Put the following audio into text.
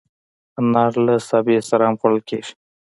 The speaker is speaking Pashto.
انار له سابه سره هم خوړل کېږي.